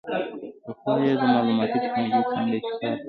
پخوا یې د معلوماتي ټیکنالوژۍ څانګه کې کار کاوه.